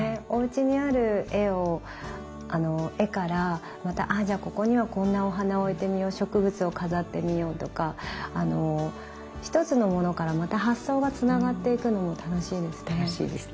おうちにある絵を絵からまたじゃあここにはこんなお花を置いてみよう植物を飾ってみようとか一つのものからまた発想がつながっていくのも楽しいですね。